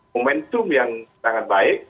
momentum yang sangat baik